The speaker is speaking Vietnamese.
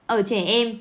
ở trẻ em